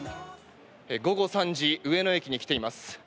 午後３時上野駅に来ています。